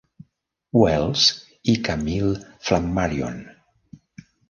Wells i Camille Flammarion.